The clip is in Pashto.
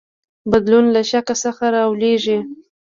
بدلون له شک څخه راولاړیږي.